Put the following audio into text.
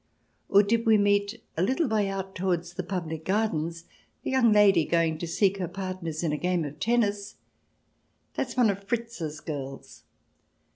Or did we meet, a little way out, towards the public gardens, a young lady going to seek her partners in a game of tennis —" That's one of Fritz's girls."